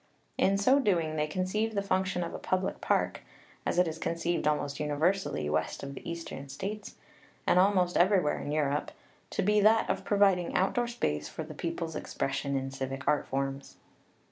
In so doing, they conceived the function of a public park as it is conceived almost universally west of the Eastern States, and almost everywhere in Europe to be that of providing outdoor space for the people's expression in civic art forms.